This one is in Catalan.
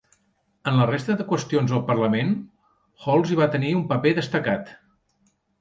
En la resta de qüestions al Parlament, Holles hi va tenir un paper destacat.